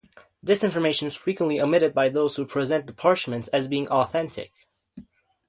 This information is frequently omitted by those who present the "parchments" as being authentic.